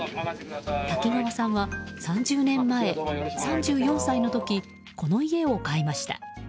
滝川さんは、３０年前３４歳の時、この家を買いました。